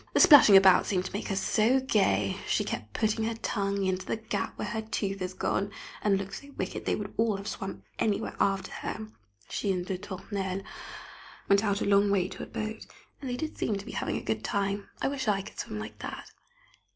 The splashing about seemed to make her so gay, she kept putting her tongue into the gap where her tooth is gone, and looked so wicked they would all have swam anywhere after her. She and de Tournelle went out a long way to a boat, and they did seem to be having a good time. I wish I could swim like that.